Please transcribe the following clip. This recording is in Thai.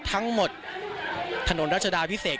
ทั้งหมดถนนรัชดาพิเศษ